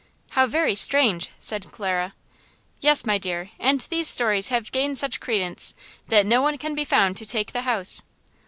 "How very strange!" said Clara. "Yes, my dear, and these stories have gained such credence that no one can be found to take the house."